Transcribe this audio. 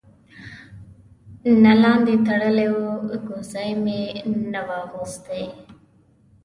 نه لاندې تړلی و، کوسۍ مې نه وه اغوستې.